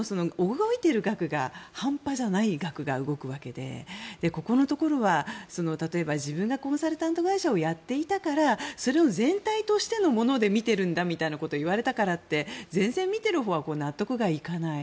しかも、半端じゃない額が動いているわけでここのところは例えば自分がコンサルタント会社をやっていたからそれを全体としてのもので見ているんだということを言われても、全然見ているほうは納得がいかない。